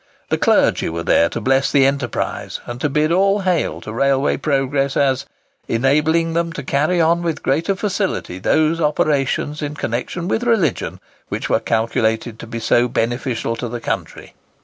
The clergy were there to bless the enterprise, and to bid all hail to railway progress, as "enabling them to carry on with greater facility those operations in connexion with religion which were calculated to be so beneficial to the country."